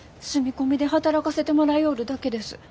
住み込みで働かせてもらようるだけです。